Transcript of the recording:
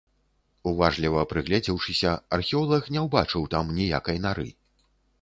Уважліва прыгледзеўшыся, археолаг не ўбачыў там ніякай нары.